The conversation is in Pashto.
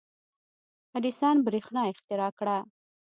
• اډیسن برېښنا اختراع کړه.